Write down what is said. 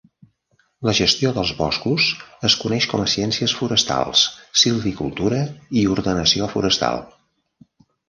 La gestió dels boscos es coneix com a ciències forestals, silvicultura i ordenació forestal.